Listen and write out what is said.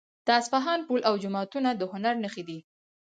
د اصفهان پل او جوماتونه د هنر نښه دي.